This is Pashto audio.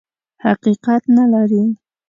حقیقت نه لري.